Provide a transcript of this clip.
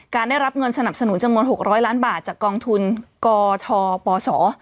ได้รับเงินสนับสนุนจำนวน๖๐๐ล้านบาทจากกองทุนกทปศ